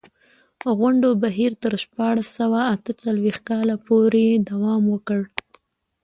غونډو بهیر تر شپاړس سوه اته څلوېښت کال پورې دوام وکړ.